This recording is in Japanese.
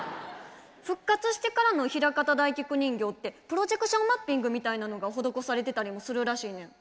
復活してからのひらかた大菊人形ってプロジェクションマッピングみたいなのが施されてたりもするらしいねん。